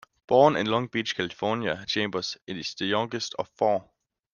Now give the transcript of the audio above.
Born in Long Beach, California, Chambers is the youngest of four.